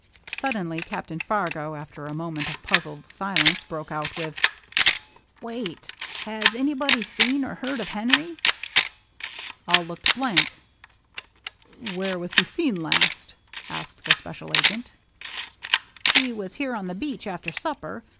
Sud denly Captain Fargo, after a moment of puz zled silence, broke out with, " Wait — has anybody seen or heard of Henry ?" All looked blank. THE EVENING OF THE SAME DAY 221 " Where was he seen last ?" asked the Spe cial Agent. " He was here on the beach after supper.